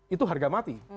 itu harga mati